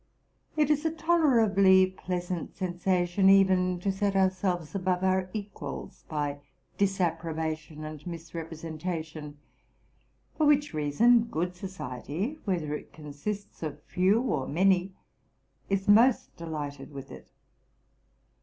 It is a tolerably pleasant sen sation even to set ourselves above our equals by disapproba tion and misrepresentation ; for which reason good society, whether it consists of few or many, is most delighted with it.